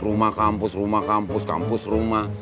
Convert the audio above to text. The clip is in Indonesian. rumah kampus rumah kampus kampus rumah